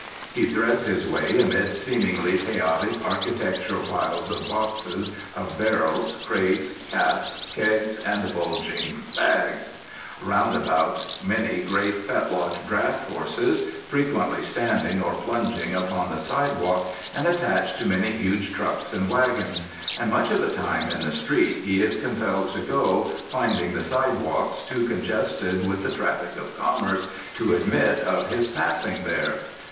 He threads his way amid seemingly chaotic, architectural piles of boxes, of barrels, crates, casks, kegs, and bulging bags; roundabout many great fetlocked draught horses, frequently standing or plunging upon the sidewalk, and attached to many huge trucks and wagons; and much of the time in the street he is compelled to go, finding the side walks too congested with the traffic of commerce to admit of his passing there.